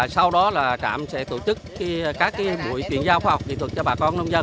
sau đó trạm sẽ tổ chức các mũi chuyển giao khoa học kỹ thuật cho bà con nông dân